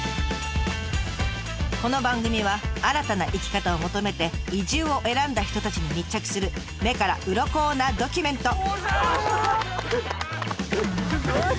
この番組は新たな生き方を求めて移住を選んだ人たちに密着する目からうろこなドキュメント。